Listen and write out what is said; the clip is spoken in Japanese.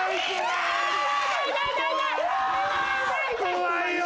怖いよ。